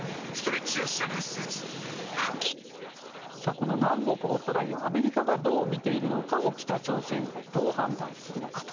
この南北ホットラインをアメリカがどう見ているのかを北朝鮮がどう判断するのかと。